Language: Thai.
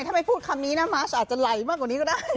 ถ้าไม่พูดคำนี้นะมัสอาจจะไหลมากกว่านี้ก็ได้